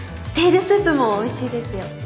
テールスープもおいしいですよ